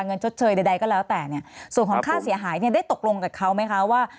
ชดเชยใดก็แล้วแต่เนี่ยส่วนของค่าเสียหายเนี่ยได้ตกลงกับเขาไหมคะว่า